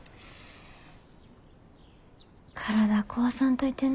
体壊さんといてな。